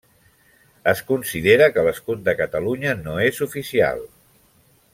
Es considera que l'escut de Catalunya no és oficial.